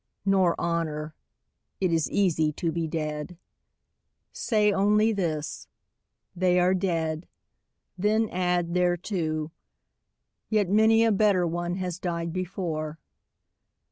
Nor honour. It is easy to be dead. Say only this, " They are dead." Then add thereto, " Yet many a better one has died before."